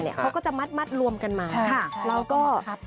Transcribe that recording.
เนี่ยเขาก็จะมัดรวมกันมา